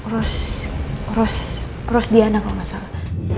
rose rose rose diana kalo gak salah